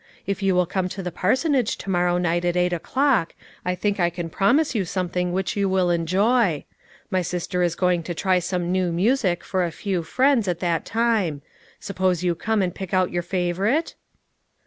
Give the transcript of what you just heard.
If you will come to the parsonage to morrow night at eight o'clock, I think I can promise you something which you will enjoy. My sister is going to try some new music for a few friends, at that time ; suppose you come and pick out your favorite